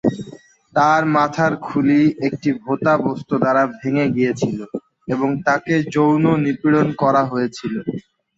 তার মাথার খুলি একটি ভোঁতা বস্তু দ্বারা ভেঙে গিয়েছিল এবং তাকে যৌন নিপীড়ন করা হয়েছিল।